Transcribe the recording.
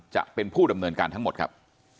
จะเป็นผู้ดำเนินการทั้งหมดครับ